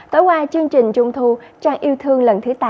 tối qua chương trình trung thu trang yêu thương lần thứ tám